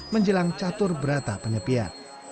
menjelang catur berata penyepian